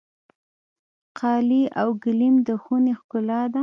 قالي او ګلیم د خونې ښکلا ده.